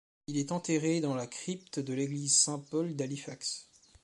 Il est enterré dans la crypte de l'église Saint-Paul d'Halifax.